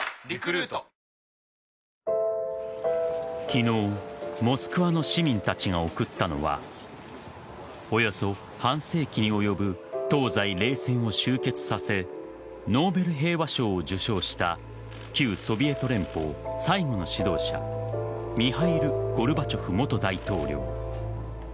昨日モスクワの市民たちが送ったのはおよそ半世紀に及ぶ東西冷戦を終結させノーベル平和賞を受賞した旧ソビエト連邦、最後の指導者ミハイル・ゴルバチョフ元大統領。